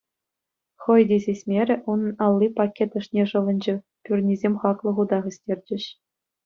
Хӑй те сисмерӗ, унӑн алли пакет ӑшне шӑвӑнчӗ, пӳрнисем хаклӑ хута хӗстерчӗҫ.